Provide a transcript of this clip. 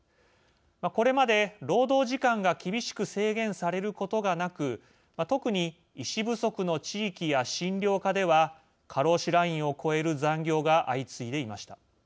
これまで、労働時間が厳しく制限されることがなく特に医師不足の地域や診療科では過労死ラインを超える残業が相次いでいました。